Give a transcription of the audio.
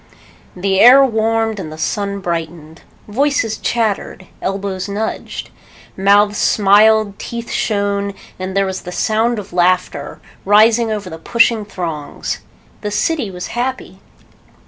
The air warmed and the sun brightened. Voices chattered. Elbows nudged. Mouths smiled, teeth shone, and there was the sound of laughter, rising over the pushing throngs. The city was happy.